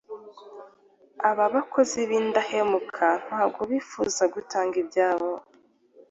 Aba bakozi b’indahemuka nubwo bifuza gutanga ibyabo